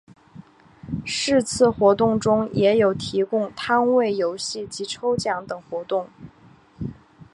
是次活动中也有提供摊位游戏及抽奖等活动。